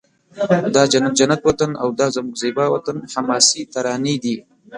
دا جنت جنت وطن او دا زموږ زیبا وطن حماسې ترانې دي